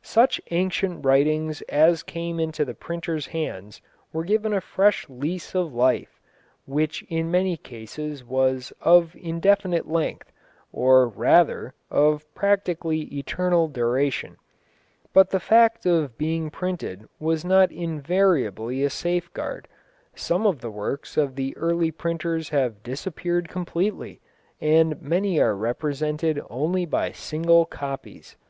Such ancient writings as came into the printer's hands were given a fresh lease of life which in many cases was of indefinite length, or rather, of practically eternal duration. But the fact of being printed was not invariably a safeguard. Some of the works of the early printers have disappeared completely, and many are represented only by single copies.